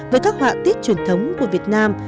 với các họa tiết truyền thống của việt nam